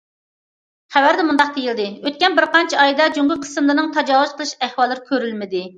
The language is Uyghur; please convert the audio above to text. خەۋەردە مۇنداق دېيىلدى: ئۆتكەن بىر قانچە ئايدا جۇڭگو قىسىملىرىنىڭ تاجاۋۇز قىلىش ئەھۋاللىرى كۆرۈلمىدى.